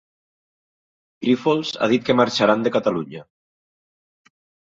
Grífols ha dit que marxaran de Catalunya.